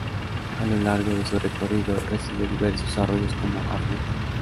A lo largo de su recorrido, recibe diversos arroyos como afluentes.